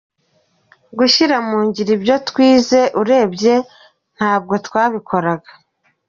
Gushyira mu ngiro ibyo twize urebye ntabwo twabikoraga.